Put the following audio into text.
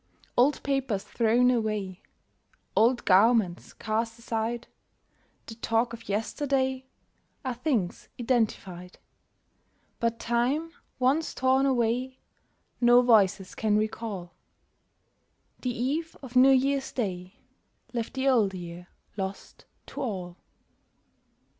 Old papers thrown away, Old garments cast aside, The talk of yesterday, Are things identified; But time once torn away No voices can recall: The eve of New Year's Day Left the Old Year lost to all.